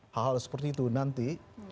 hal seperti itu nanti